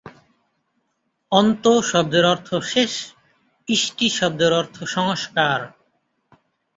‘অন্ত’ শব্দের অর্থ শেষ, ‘ইষ্টি’ শব্দের অর্থ সংস্কার।